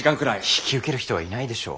引き受ける人はいないでしょう。